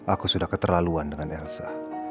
aku sudah keterlaluan dengan elsa